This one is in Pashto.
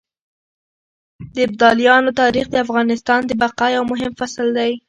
د ابدالیانو تاريخ د افغانستان د بقا يو مهم فصل دی.